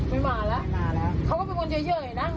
ไม่มาแล้วเขาก็เป็นคนเจ๋ยเย้ยน่ะ